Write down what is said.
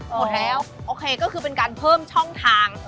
หมดแล้วโอเคก็คือเป็นการเพิ่มช่องทาง